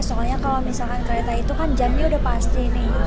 soalnya kalau kereta itu jamnya sudah pasti